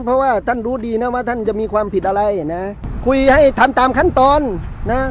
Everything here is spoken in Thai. เพราะว่าท่านรู้ดีนะว่าท่านจะมีความผิดอะไรนะคุยให้ทำตามขั้นตอนนะ